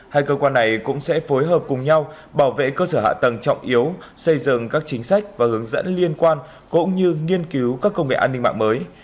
hai cơ quan này cũng sẽ phối hợp cùng nhau bảo vệ cơ sở hạ tầng trọng yếu xây dựng các chính sách và hướng dẫn liên quan cũng như nghiên cứu các công nghệ an ninh mạng mới